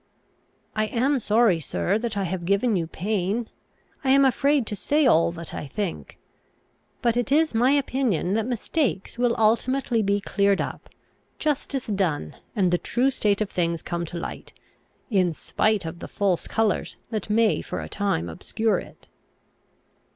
"I am sorry, sir, that I have given you pain. I am afraid to say all that I think. But it is my opinion that mistakes will ultimately be cleared up, justice done, and the true state of things come to light, in spite of the false colours that may for a time obscure it."